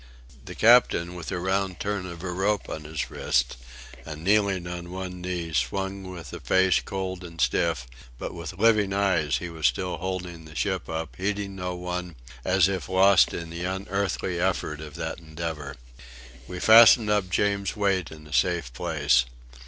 The captain, with a round turn of a rope on his wrist, and kneeling on one knee, swung with a face cold and stiff; but with living eyes he was still holding the ship up, heeding no one, as if lost in the unearthly effort of that endeavour. We fastened up James Wait in a safe place.